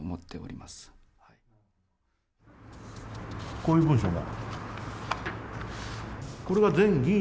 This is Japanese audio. こういう文書が。